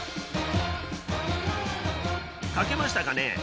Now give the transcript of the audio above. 書けましたかね？